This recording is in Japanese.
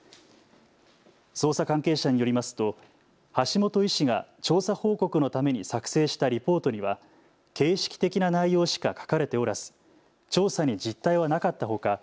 捜査関係者によりますと橋本医師が調査報告のために作成したリポートには形式的な内容しか書かれておらず調査に実態がなかったほか